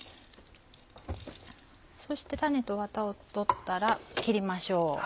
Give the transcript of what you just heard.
そして種とワタを取ったら切りましょう。